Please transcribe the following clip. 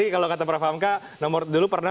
kalau kata prof hamka nomor dulu pernah